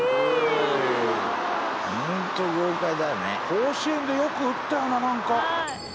「甲子園でよく打ったよななんか」